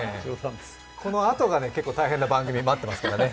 このあとが結構、大変な番組、待っていますからね。